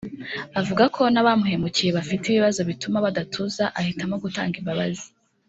avuga ko n’abamuhemukiye bafite ibibazo bituma badatuza ahitamo gutanga imbabazi